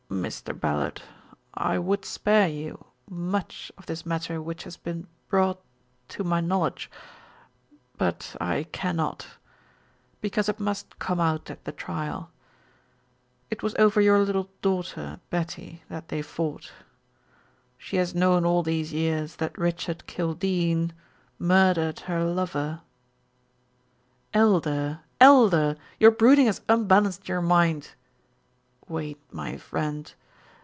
"Mr. Ballard, I would spare you much of this matter which has been brought to my knowledge but I cannot because it must come out at the trial. It was over your little daughter, Betty, that they fought. She has known all these years that Richard Kildene murdered her lover." "Elder Elder! Your brooding has unbalanced your mind." "Wait, my friend.